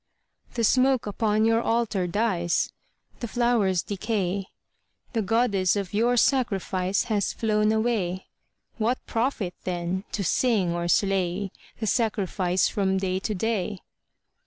_) The smoke upon your Altar dies, The flowers decay, The Goddess of your sacrifice Has flown away. What profit, then, to sing or slay The sacrifice from day to day?